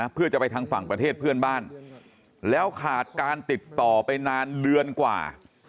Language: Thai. เพื่อจะไปทางฝั่งประเทศเพื่อนบ้านแล้วขาดการติดต่อไปนานเดือนกว่า